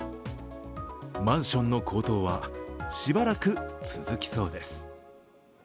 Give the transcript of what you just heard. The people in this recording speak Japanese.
マンションの高騰はしばらく続きそうです。